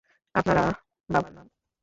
আপনারা বাবার নাম!